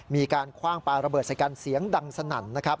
คว่างปลาระเบิดใส่กันเสียงดังสนั่นนะครับ